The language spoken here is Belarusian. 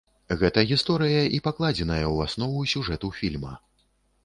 Гэта гісторыя і пакладзеная ў аснову сюжэту фільма.